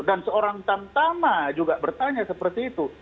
dan seorang tamtama juga bertanya seperti itu